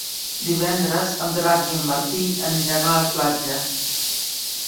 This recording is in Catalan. Divendres en Drac i en Martí aniran a la platja.